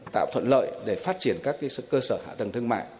tạo thuận lợi để phát triển các cơ sở hạ tầng thương mại